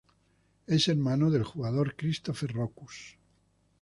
Es hermano del jugador Christophe Rochus.